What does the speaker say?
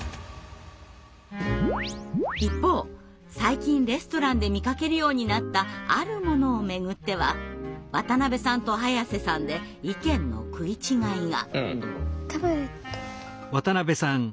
一方最近レストランで見かけるようになったあるものをめぐっては渡辺さんと早さんで意見の食い違いが。